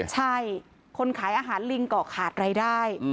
ใช่คนขายอาหารลิงก็ขาดรายได้